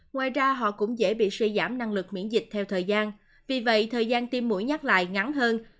ngoài ra họ cũng dễ bị suy giảm năng lực miễn dịch theo thời gian vì vậy thời gian tiêm mũi nhắc lại ngắn hơn